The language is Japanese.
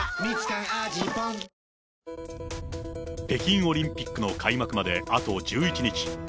北京オリンピックの開幕まであと１１日。